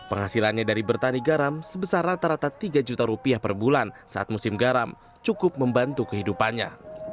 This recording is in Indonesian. penghasilannya dari bertani garam sebesar rata rata tiga juta rupiah per bulan saat musim garam cukup membantu kehidupannya